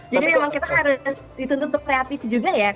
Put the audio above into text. jadi memang kita harus dituntut untuk kreatif juga ya